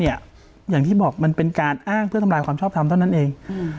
อย่างที่บอกมันเป็นการอ้างเพื่อทำลายความชอบทำเท่านั้นเอง